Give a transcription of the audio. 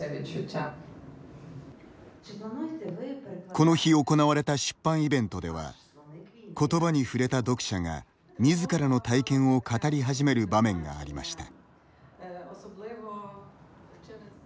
この日行われた出版イベントでは言葉に触れた読者がみずからの体験を語り始める場面がありました。